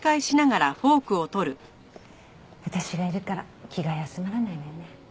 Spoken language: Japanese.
私がいるから気が休まらないわよね。